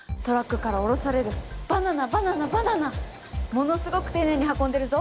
ものすごく丁寧に運んでるぞ！